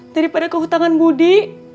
daripada kehutangan budi